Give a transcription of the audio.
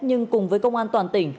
nhưng cùng với công an toàn tỉnh